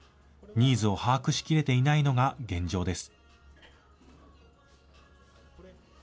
ニーズを把握しきれていないのが現状です。